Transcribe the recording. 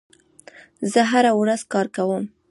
زه هره ورځ کار کوم.